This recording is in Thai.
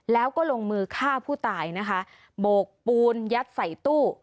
แล้วก็ลงมือฆ่าผู้ตายนะคะโบกปูนยัดใส่ตู้